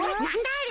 あれ。